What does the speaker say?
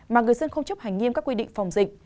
mà người dân không chấp hành nghiêm các quy định phòng dịch